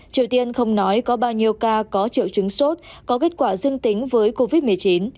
triều tiên không nói có bao nhiêu ca có triệu chứng sốt có kết quả dưng tính với covid một mươi chín